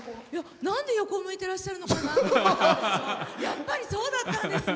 なんで横向いてらっしゃるのかなと思ったんですけどやっぱり、そうだったんですね。